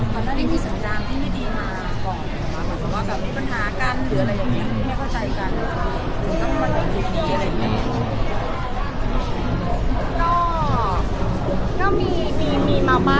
คุณพรรดิมีสัญญาณที่ไม่ดีมากกว่า